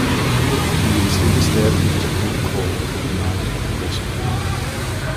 He instead established a group called the United Progressive Party.